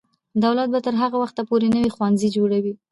دولت به تر هغه وخته پورې نوي ښوونځي جوړوي.